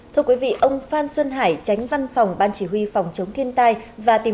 thưa quý vị ông phan xuân hải tránh văn phòng ban chỉ huy phòng chống thiên tai